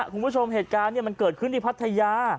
คุณผู้ชมเหตุการณ์มันเกิดขึ้นที่พัทยา